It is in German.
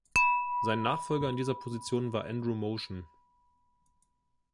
Sein Nachfolger in dieser Position war Andrew Motion.